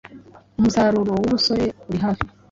umusaruro w'ubusore uri hafi.